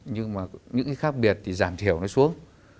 nhưng mà những cái khác biệt thì giảm thiểu nó xuống